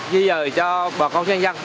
di dời cho bà con dân dân